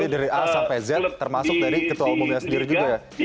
jadi dari a sampai z termasuk dari ketua umumnya sendiri juga ya